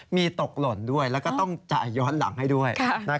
มีตกหล่นด้วยแล้วก็ต้องจ่ายย้อนหลังให้ด้วย